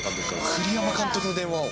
栗山監督の電話を。